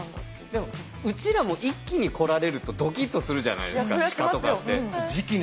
でもうちらも一気に来られるとドキッとするじゃないですか鹿とかって。